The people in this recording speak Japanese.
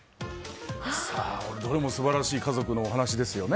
どれも素晴らしい家族のお話ですよね。